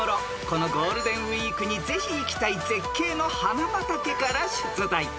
このゴールデンウィークにぜひ行きたい絶景の花畑から出題］